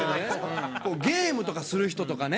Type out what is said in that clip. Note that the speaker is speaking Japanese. ゲームとかする人とかね。